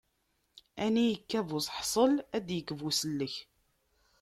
Ani yekka buseḥṣel ad d-yekk busellek.